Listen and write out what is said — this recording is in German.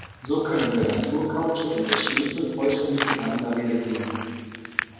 So können der Naturkautschuk und der Schwefel vollständig miteinander reagieren.